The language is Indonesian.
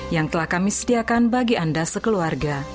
yang telah kami sediakan bagi anda sekeluarga